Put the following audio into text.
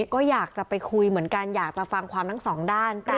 ก็อยากจะไปคุยเหมือนกันอยากจะฟังความทั้งสองด้าน